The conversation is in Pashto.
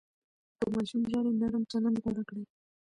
که ماشوم ژاړي، نرم چلند غوره کړئ.